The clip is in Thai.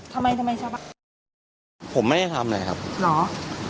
ผมไม่ได้ทำอะไรครับครับผมมั่นใจครับอืม